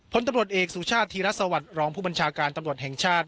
ผลตำรวจเอกสุชาติธีรสวัสดิ์รองผู้บัญชาการตำรวจแห่งชาติ